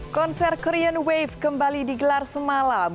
konser korean wave kembali digelar semalam